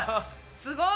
すごい！